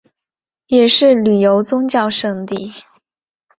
也是旅游宗教胜地。